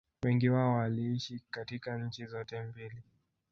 Wengi wao waliishi katika nchi zote mbili